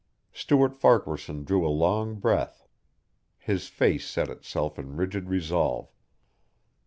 Stuart Farquaharson drew a long breath. His face set itself in rigid resolve.